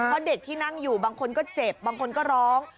เพราะเด็กที่นั่งอยู่บางคนก็เจ็บบางคนก็ร้อง